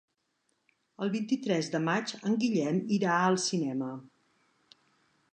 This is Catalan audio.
El vint-i-tres de maig en Guillem irà al cinema.